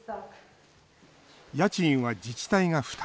家賃は自治体が負担。